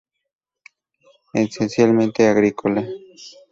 Esencialmente agrícola.